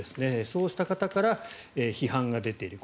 そうした方から批判が出ている。